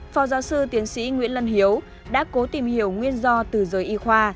phó giáo sư tiến sĩ nguyễn lân hiếu đã cố tìm hiểu nguyên do từ giới y khoa